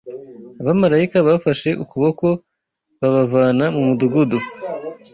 abamarayika babafashe ukuboko babavana mu mudugudu